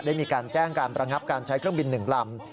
ได้มีการแจ้งการประงับการใช้เครื่องบิน๑ลำ